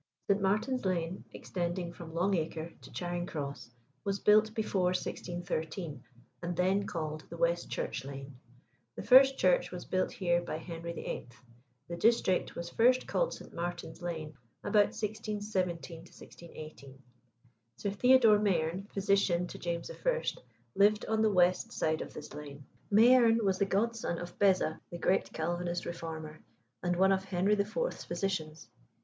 Saint Martin's Lane, extending from Long Acre to Charing Cross, was built before 1613, and then called the West Church Lane. The first church was built here by Henry VIII. The district was first called St. Martin's Lane about 1617 18. Sir Theodore Mayerne, physician to James I., lived on the west side of this lane. Mayerne was the godson of Beza, the great Calvinist reformer, and one of Henry IV.'s physicians.